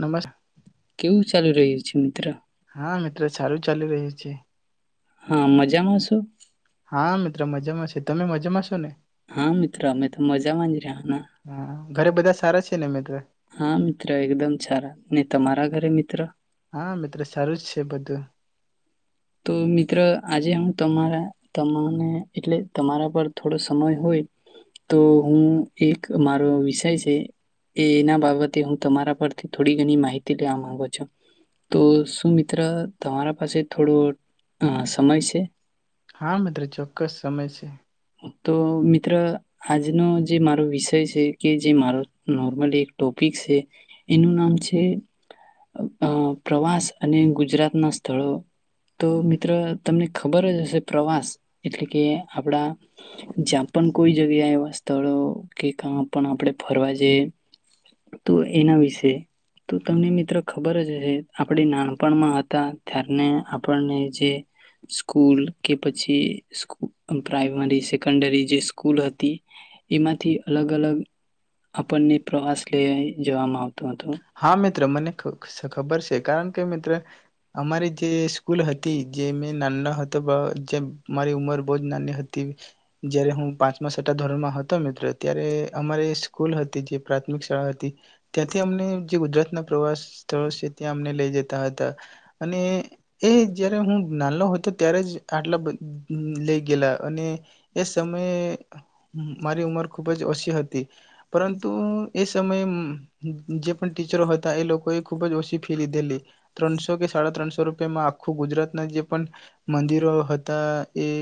નમસકા કેવું ચાલુ રહ્યું છે મિત્ર. ચલી રહી છે. હા મજામાં શું. હા મિત્ર મજા. છે તમે મજામાં છો ને. હા મિત્રો અમે તો મજા માજ રહ્યા. હા ઘરે બધા સારા છે ને અમે તો. હા મિત્ર એકદમ સારા. ને તમારા ઘરે મિત્ર. હા મિત્ર સારું જ. તે બધુ તો મિત્ર આજે હું તમારા. તને એટલે તમારા પર થોડો સમય હોય તો હું એક મારો વિષય છે એ એના બાબતે હું તમારા પર થોડી ઘણી માહિતી લેવા માંગો તો સુમિત્ર. તમારા. પાસે થોડું. હા મિત્રો ચોક્કસ સમય છે. તો મિત્ર આજનો જે મારો વિષ તેછે કે જે મારો નોર્મલ એક ટોપિક શે એનું નામ છે અ પ્રવાસ અને ગુજરાત ના [unintelligible] તો મિત્ર તમને ખબર જ હશે પ્રવાસ એટલે કે આપડા જ્યાં પણ કોઈ જગ્યા એવા સ્થળો કે ક પણ આપડે ફરવા જઈએ તો એના વિશે તો તમને મિત્ર ખબર જ હહે. આપણે નાનપણમાં હતા ત્યારને આપણને જે સ્કૂલ કે પછી પ્રાઈમરી સેકન્ડરી જે સ્કૂલ હતી એમાંથી અલગ અલગ આપણને પ્રવાસ લઈ જવામાં આવ હા મિત્ર મને ખબર છે. કારણ કે મિત્ર અમારે જે સ્કૂલ હતી જે મેં [unintelligible] હતો જે [inaudible] તેવી જયારે હું પાંચમાસટા ધોરણ માં [unintelligible] ત્યાંથી અમને [unintelligible] પ્રવાસ સ્થળો છે ત્યાં અમને લઈ જતા હતા અને એ જયારે હું નાનંલો હતો ત્યારે જ આટલે બ લઈ ગેલા અને એ સમયે મારી ઉંમર ખુબ જ ઓછી હતી. પરંતુ એ સમયે જે ટીચરો હતા એ લોકોએ ખુબ જ ઓછી ફી લીધેલી, ત્રણસો કે સાડા ત્રણસો રૂપિયામાં આખું ગુજરાતના જે પણ મંદિરો હતા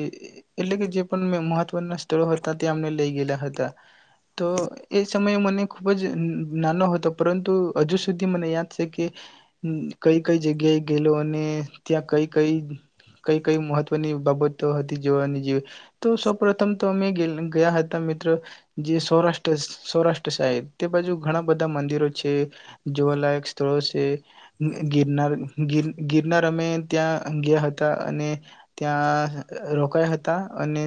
[inaudible] એટલે કે જે પણ મહત્વના સ્થળો હતા. ત્યા અમને લઇ ગયેલા હતા. [unintelligible] તો એ સમયે મને ખુબ જ નાનો હતો હતો. પરંતુ હજુ સુધી મને યાદ છે કે કઈ કઈ જગ્યાએ ગયેલો અને ત્યાં કઈ કઈ કઈ કઈ મહત્વની બાબતો હતી જોવાની, જે તો સૌપ્રથમ તો અમે ગયા હતા મિત્રો જે સૌરાષ્ટ્ર સૌરાષ્ટ્ર સાહેબ તે બાજુ ઘણા બધા મંદિરો છે જોવાલાયક સ્થળો છે, ગિરનારર ગિરનાર અમે ત્યાં ગયા હતા અને ત્યાં રોકાયા હતા અને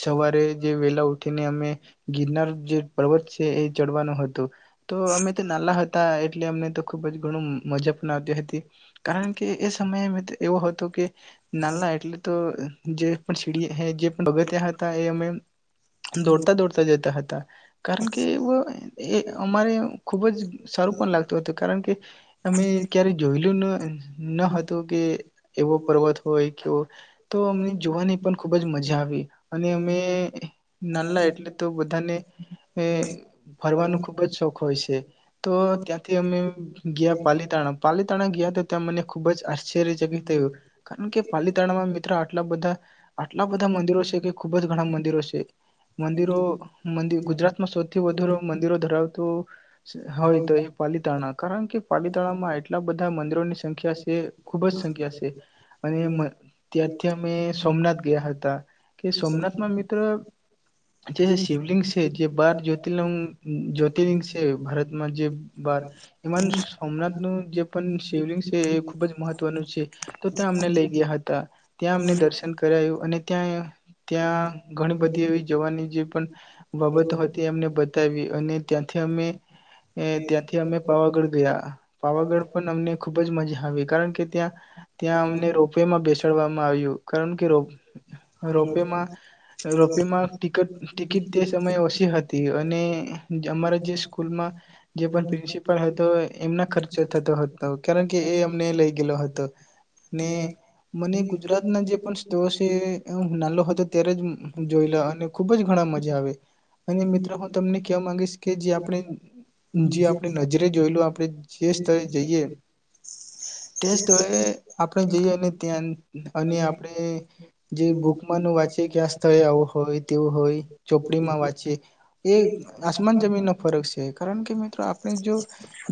સવારે જે વેલા ઉઠીને અમે ગિરનાર જે પર્વત છે એ ચડવાનું હતું, તો અમે [unintelligible] હતા એટલે અમને તો ખુબ જ ઘણું મજા પણ આવતી હતી. કારણ કે એ સમયે મિત્ર એવો હતો, કે નાનલા એટલે તો જે પણ સીડી હે જે ભગત્યા હતા એ અમે એમ. દોડતા દોડતા જતા હતા. કારણ કે એ અમારે ખૂબ જ સારું પણ લાગતું હતું કારણ કે અમે ક્યારેય જોયેલું ન ન હતું કે એવો પર્વત હોય કેવો તો અમને જોવાની પણ ખૂબ જ મજા આવી અને અમે નાલા એટલે તો બધાને એ ફરવાનો ખૂબ જ શોખ હોય છે. તો ત્યાંથી અમે ગયા પાલીતાણા પાલીતાણા ગયા તો ત્યાં મને ખુબ જ આશ્ચર્યચકિત થયું કારણ કે પાલીતાણામાં મિત્રો આટલા બધા આટલા બધા મંદિરો છે કે ખુબ જ ઘણા મંદિરો છે મંદિરો મં ગુજરાતમાં સૌથી વધુ મંદિરો ધરાવ તો. હોય તો એ પાલીતાણા કારણ કે પાલીતાણામાં એટલા બધા મંદિરોની સંખ્યા છે ખુબ જ સંખ્યા છે અને ત્યારથી અમે સોમનાથ ગયા હતા કે સોમનાથમાં મિત્ર જે શિવલિંગ છે જે બાર જ્યોતિર્લિંગ જ્યોતિર્લિંગ છે. ભારતમાં જે બાર એમાનું સોમનાથ નું જે પણ શિવલિંગ છે એ ખુબ જ મહત્વનું છે. તો ત્યાં અમને લઈ ગયા હતા ત્યાં અમને દર્શન કરાયું. અને ત્યાં ત્યાં ઘણી બધી એવી જોવાની જે પણ બાબતો હતી અમને બતાવી અને ત્યાંથી અમે એ ત્યાંથી અમે પાવાગઢ ગયા પાવાગઢ પણ અમને ખુબ જ મજા આવી કારણ કે ત્યાં ત્યાં અમને રોપવેમાં બેસાડવામાં આવ્યું કારણ કે રોપવેમાં રોપવેમાં ટ ટિકિટ તે સમયે ઓછી હતી અને અમારા જે સ્કૂલમાં જે પણ પ્રિન્સિપલ હતો એમના ખર્ચો થતો હતો કારણ કે એ અમને લઈ ગયલો હતો અને મને ગુજરાત ના જે પણ સ્ નાલો હતો ત્યારે જોયેલા અને ખુબ જ ઘણા મજા આવે અને મિત્રો હું તમને કહેવા માંગીશ કે જે આપણે. જી આપડે નજરે જોઈલું આપ આપણે જે સ્તરે જઈએ તે જ તો એ. આપણે જઈએ અને ત્યાં અને આપણે જે ભૂકમાં ન વાંચીએ કે આ સ્થળે આવું હોય તેવું હોય ચોપડીમાં વાંચીએ એ આસમાન જમીન ન ફરક છે કારણ કે મિત્રો આપણે જો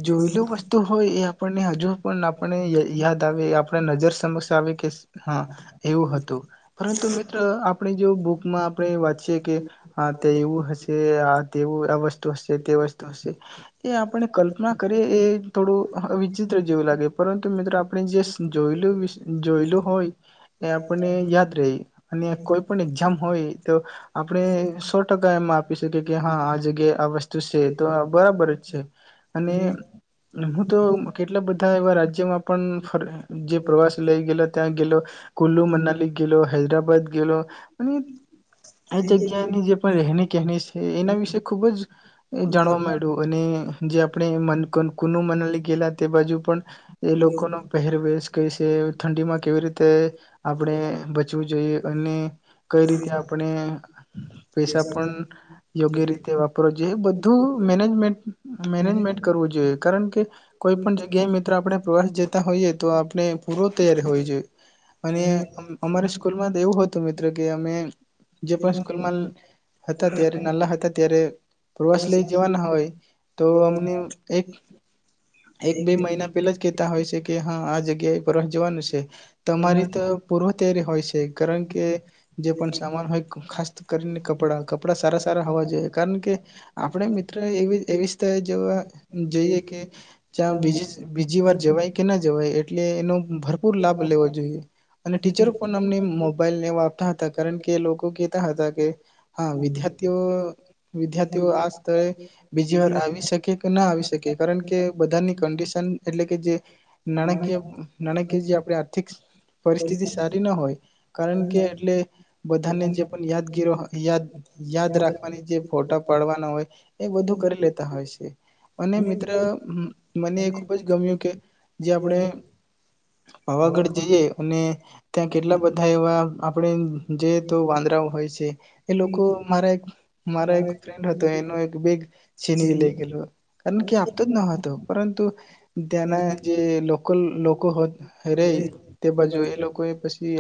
જોયેલ વસ્તુ હોય એ આપણને હજુ પણ આપણે યાદ આવે આપણે નજર સમક્ષ આવે કે હા એવું હતું પરંતુ મિત્ર આપણે જો બુક માં આપણે વાંચીએ કે આ તે એવું હશે આ તેવું આ વસ્તુ હશે. એ આપણે કલ્પના કરીએ એ થોડું વિચિત્ર જેવું લાગે પરંતુ મિત્રો આપણે જે જોયલું જોયલું હોય એ આપણને યાદ રહી અને કોઈ પણ એક્ઝામ હોય તો આપણે સો ટકા એમાં આપી શકીએ કે હા આ જગ્યાએ આ વસ્તુ છે તો બરાબર જ છે અને હું તો કેટલા બધા એવા રાજ્યોમાં પણ જે પ્રવાસ લઈ ગેલો ત્યાં ગયેલો કુલ્લુ મનાલી ગેલો હૈદરાબાદ ગેલો અને એ જગ્યાની જે પણ રહેણી કહેની છે એના વિશે ખૂબ જ એ જાણવા માંડ્યું અને જે આપણે મન કુનું મનલી ગેલા તે બાજુ પણ એ લોકોનો પહેરવેશ ક છે ઠંડીમાં કેવી રીતે આપણે બચવું જોઈએ અને કઈ રીતે આપણે પૈસા પણ યોગ્ય રીતે વાપરો જોઈએ બધ મેનેજમેન્ટ-મેનેજમેન્ટ કરવું જોઈએ. કારણ કે કોઈ પણ જગ્યાએ મિત્ર આપણે પ્રવાસ જતા હોઈએ તો આપણે પૂર્વ તૈયારી હોવી જોઈએ. અને અમારી સ્કૂલમાં તો એવું હતું કે તમે જે પણ સ્કૂલમાં હતા ત્યારે નાલા હતા ત્યારે સ લઈ જવાના હોય, તો અમને એક એક બે મહિના પેલા જ કેતા હોય છે કે હ આ જગ્યા એ ફરવા જવાનું છે તમારી તો પૂર્વ તૈયારી હોય છે. કારણ કે જે પણ સામાન હોય ખાસ કરીને કપડાં કપડાં સારા સારા હોવા જોઈએ કારણ કે આપડે મિત્રો એવી-એવી [unintelligible] જો જઈએ કે ત્યાં બીજી બીજી વાર જવાય કે ના જવાય એટલે એનો ભરપૂર લાભ લેવો જોઈએ અને ટીચરો પણ અમને મોબાઈલ ને એવા હતા. કારણ કે લોકો કેતા હતા કે હા વિદ્યાર્થીઓ વિદ્યા તેઓ આ સ્થળે બીજી વાર આવી શકે ના આવી શકે કારણ કે બધાની કંડિશન એટલે કે જે નાણાકીય નાણાકીય જે આપણે આર્થિક પરિસ્થિતિ સારી ના હોય કારણ કે એટલે બધાને જે પણ યાદગીરો યાદ યાદ રાખવાની જે ફોટા પાડવાના હોય એ બધું કરી લેતા હોય છે અને મિત્ર મને ખુબ જ ગમ્યું કે જે આપણે પાવાગઢ જઈએ અને ત્યાં કેટલા બધા એવા આપણે જે વાંદરાઓ હોય છે એ લોકો મારા મારા એક ફ્રેન્ડ હતો, એનો એક બેગ છીનવી લઈ ગેલો. કારણ કે આપતો જ ન હતો. પરંતુ ત્યાંના જે લોકલ લોકો રહી તે બાજુ એ લોકોએ પછી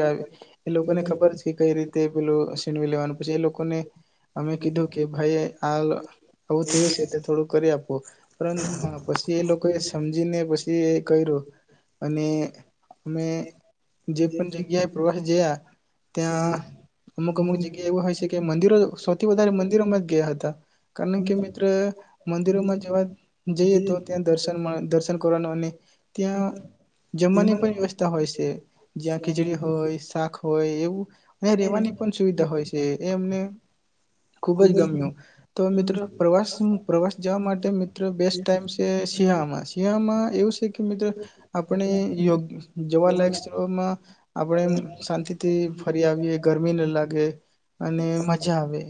એ લોકોને ખબર છે કે કઈ રીતે પેલું છીનવી લેવાનું. પછી એ લોકોને અમે કીધું કે ભાઈ આ આવું થયું છે તો થોડું કરી આપો. પણ હા પછી એ લોકો એ સમજીને પછી એ કર્યું અને અમે જે પણ જગ્યાએ પ્રવાસ ગયા ત્યાં અમુક અમુક જગ્યા એ હોય છે કે મંદિરો સૌથી વધારે મંદિરોમાં ગ કારણ કે મિત્ર મંદિરોમાં જવા જઈએ તો ત્યાં દર્શન દર્શન કરવાનું અને ત્યાં જમવાની પણ વ્યવસ્થા હોય છે જ્યાં ખીચડી હોય શાક હોય એવું રેવાની પણ સુવિધા હોય છે એ અમને ખુબ જ તો મિત્રો પ્રવાસ પ્રવાસ જવા માટે મિત્રો બેસ્ટ ટાઈમ છે શિયાિયામાં શિયાિયાામાં એવું છે કે મિત્રો આપણેયો જવાલાયક સ્થળમાં આપણે શાંતિથી ફરી આવીએ ગરમી ન લાગે અને મજા આવે.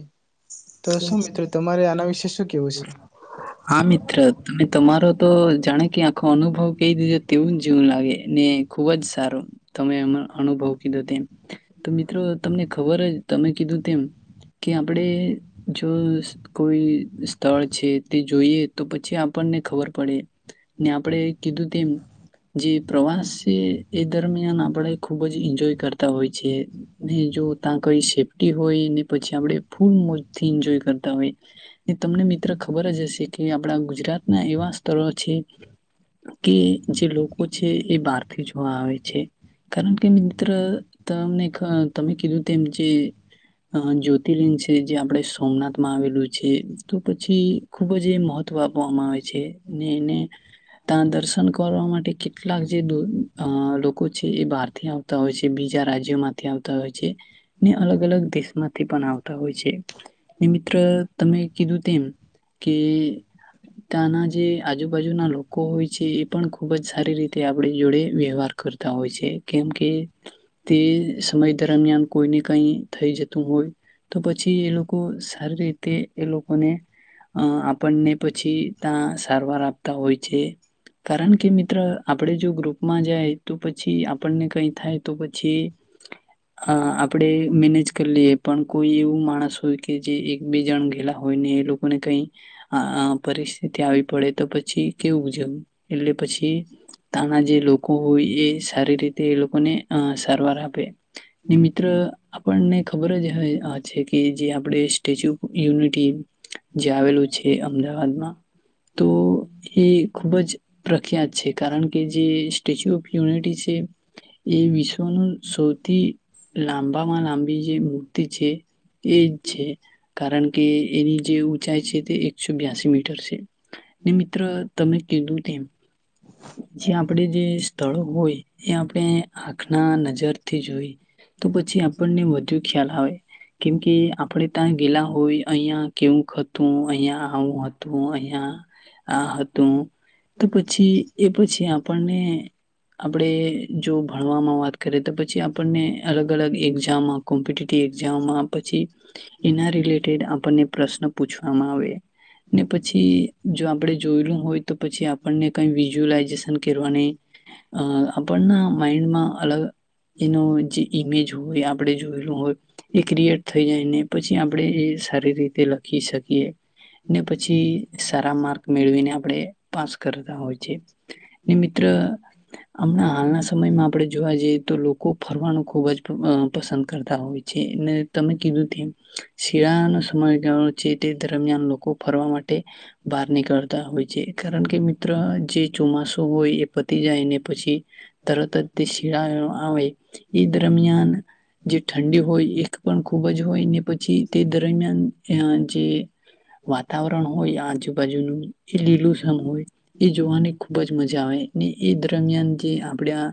તો શું મિત્રો તમારે આના વિશે વિશે શું કેશે? હા મિત્ર તમે તમારો તો જાણે કે આખો અનુભવ કહી દીધો તેવું જીવન લાગે ને ખુબ જ સારો તમે એ અનુભવ કીધો તેમ તો મિત્રો તમને ખબર જ તમે કીધું તેમ કે આપણેે જો કોઈ સ્થળ છે તે જોઈએ તો પછી આપણને ખબર પડે ને આપણેે કીધું તેમ જે પ્રવાસ છે એ દરમિયાન આપણે ખુબ જ એન્જોય કરતા હોય છે ને જો ત્યાં કઈ સેફ્ટી હોય ને પછી આપણે ફૂલ મોજથી એન્જોય કરતા હોય ને તમને મિત્ર ખબર જ હશે. કે આપણા ગુજરાતના એવા સ્થળો છે કે જે લોકો છે એ બહારથી જોવા આવે છે કારણ કે મિત્ર તમને તમે કીધું તેમ જે જ્યોતિર્લિંગ છે જે આપણે સોમનાથમાં આવેલું છે તો પછી ખૂબ જ એ મહત્વ આપવામાં આવે છે ને એને ત્યાં દર્શન કરવા માટે કેટલાક જે દ લોકો છે એ બહારથી આવતા હોય છે બીજા રાજ્યોમાંથી આવતા હોય છે ને અલગ અલગ દેશ માંથી પણ આવતા હોય છે ને મિત્ર તમે કીધું તેમ કે ત્યાંના જે આજુબાજુના લોકો હોય છે એ પણ ખૂબ જ સારી રીતે આપણી જોડે વ્યવહાર કરતા હોય છે કેમ કે તે સમય દરમિયાન કોઈને કઈ થઈ જતું હોય તો પછી એ લોકો સારી રીતે એ લોકોને અ આપણને પછી ત્યાં સારવાર આપતા હોય છે કારણ કે મિત્ર આપણે જો ગ્રુપમાં જાય તો પછી આપણને કઈ થાય તો પછી આપણે મેનેજ કરી લઈએ પણ કોઈ એવું માણસ હોય કે જે એક બે જણ ગેલા હોય ને એ લોકોને કઈ હ [inaudible] [inaudible] પરિસ્થિતિ આવી પડે તો પછી કેવુંજવું એટલે પછી તાના જે લોકો હોય એ સારી રીતે એ લોકોને સારવાર આપે ને મિત્ર આપણને ખબર જ છે કે જે આપડે સ્ટેચ્યુ ઓફ યુનિટી. જે આવેલું છે. છે. અમદાવાદમાં તો એ ખુબ જ પ્રખ્યાત છે. કારણ કે જે સ્ટેચ્યુ ઓફ યુનિટી છે. એ વિશ્વનું સોથી લાંબામાં લાંબા બીજે મૂર્તિ છે. એજ છે કારણ કે એની જે ઊંચાઈ છે. તે એકસો બ્યાસી મીટર છે. ને મિત્ર તમે કીધું તેમ જ્યાં આપણે જે સ્થળો હોય એ આપણે આખ ના નજરથી જોઈ તો પછી આપણને વધુ ખ્યાલ આવે કેમકે આપણે તા ગેલા હોય. અહિયાં કેવું હતું. અહિયાં આવું હતું. અહીંયા આ હતું. તો પછી એ પછી આપણને આપણેે જો ભણવામાં વાત કરે તો પછી આપણને અલગ અલગ એક્ઝામમાં કોમ્પિટટિવ એક્ઝામમાં પછી એના રિલેટેડ આપણને પ્રશ્ન પૂછો મા આવે. ને પછી જો આપણે જોયેલું હોય તો પછી આપણને કઈ વિઝ્યુઅલાઈઝેશન કરવાની આપણના માઈન્ડમાં અલગ એનો જે ઈમેજ હોય આપણે જોયેલું હોય એ ક્રિએટ થઈ જાયને પછી આપણે એ સારી રીતે લખી શકીએ. એ ને પછી સારા માર્ક મેળવીને આપણે પાસ કરતા હોય છે. ને મિત્ર હમણાં હાલના સમયમાં આપણે જોવા જઈએ તો લોકો ફરવાનું ખુબ જ પસંદ કરતા હોય છે. ને તમે કીધું તેમ શિયાળ નો સમય ગ છે તે દરમિયાન લોકો ફરવા માટે બહાર નીકળતા હોય છે. કારણ કે મિત્ર જે ચોમાસું હોય એ પતી જાય. ને પછી તરત જ તે શિયાળો આવે એ દરમિયાન- જે ઠંડી હોય એક પણ ખુબ જ હોય ને પછી તે દરમિયાન- જે વાતાવરણ હોય આજુબાજુનું જે લીલું સમમ હોય એ જોવાની ખુબ જ મજા આવે. ને એ દરમિયાન જે આપડે આ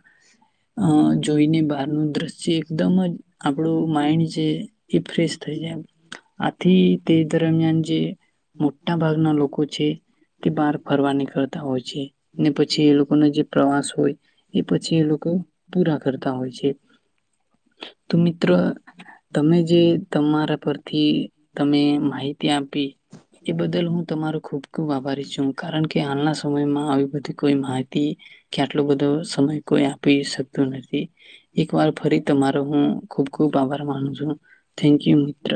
જોઈને બહારનું દ્રશ્ય એકદમ જ આપણું માઈન્ડ છે એ ફ્રેશ થઈ જાય. આથી તે દરમિયાન જે મોટા ભાગના લોકો છે તે બહાર ફરવા નીકળતા હોય છે. ને પછી એ લોકોનો જે પ્રવાસ હોય એ પછી એ લોકો પૂરા કરતા હોય છે. તો મિત્ર તમે જે તમારા પરથી તમે માહિતી આપી એ બદલ હું તમારો ખૂબ ખૂબ આભારી છું. કારણ કે હાલના સમયમાં આવી બધી કોઈ માહિતી કે આટલો બધો સમય કોઈ આપી શકતો નથી. એક વાર ફરી તમારો હું ખૂબ ખૂબ આભાર માનું છું. થેન્કયુ મિત્ર.